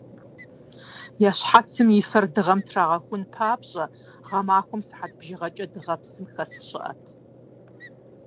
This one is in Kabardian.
Я щхьэцым и фэр дыгъэм трагъэхун папщӀэ, гъэмахуэм сыхьэт бжыгъэкӀэ дыгъэпсым хэс щыӀэт.